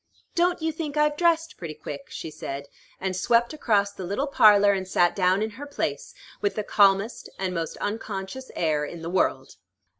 "Don't you think I've dressed pretty quick?" she said, and swept across the little parlor, and sat down in her place, with the calmest and most unconscious air in the world.